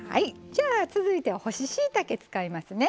じゃあ続いては干ししいたけ使いますね。